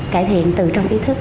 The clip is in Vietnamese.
cải thiện từ trong ý thức